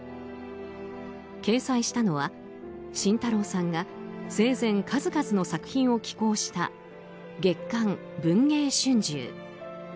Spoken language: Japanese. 掲載したのは慎太郎さんが生前、数々の作品を寄稿した「月刊文藝春秋」。